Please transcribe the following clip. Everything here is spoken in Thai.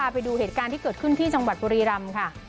ไปดูเหตุการณ์ที่เกิดขึ้นที่จังหวัดบุรีรำค่ะ